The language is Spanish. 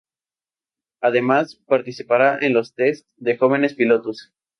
Además, participará en los tests de jóvenes pilotos.